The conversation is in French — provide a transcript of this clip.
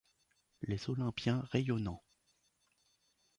Les olympiens rayonnants !